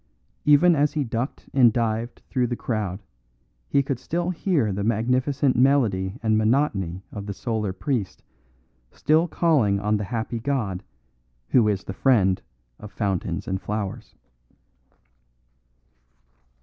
Even as he ducked and dived through the crowd he could still hear the magnificent melody and monotony of the solar priest still calling on the happy god who is the friend of fountains and flowers.